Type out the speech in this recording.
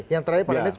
yang terakhir pak lenis